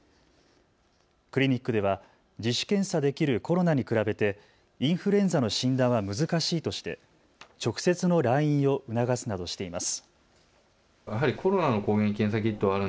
クリニックでは自主検査できるコロナに比べてインフルエンザの診断は難しいとして直接の来院を促すなどしています。